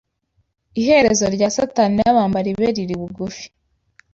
Iherezo rya Satani nabambari be riri bugufi